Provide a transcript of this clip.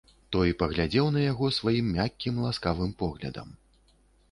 Той паглядзеў на яго сваім мяккім, ласкавым поглядам.